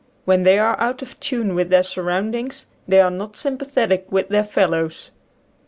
When they are out of tune with their surroundings they are not sympathetic with their fellows.